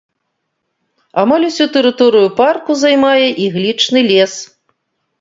Амаль усю тэрыторыю парку займае іглічны лес.